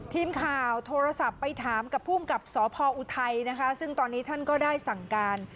ทีมข่าวโทรศัพท์ไปถามกับภูมิกับสพออุทัยนะคะซึ่งตอนนี้ท่านก็ได้สั่งการ